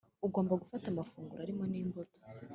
Ugomba gufata amafunguro arimo n’imbuto